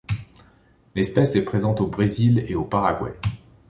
L'espèce est présente au Brésil et au Paraguay.